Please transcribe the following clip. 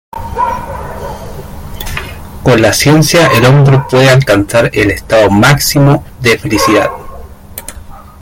Con la ciencia el hombre puede alcanzar el estado máximo de felicidad.